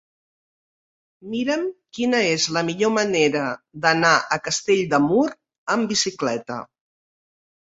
Mira'm quina és la millor manera d'anar a Castell de Mur amb bicicleta.